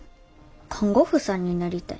看護婦さんになりたい。